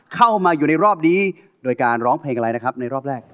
เข้ามาอยู่ในรอบนี้โดยการร้องเพลงอะไรนะครับในรอบแรก